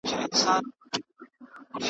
د بدي خبري سل کاله عمر وي